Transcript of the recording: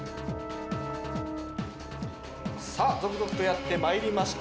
さあ続々とやってまいりました。